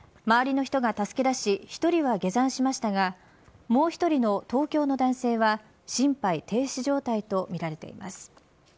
周りの人が助け出し１人は下山しましたがもう１人の東京の男性は心肺停止状態とみられています。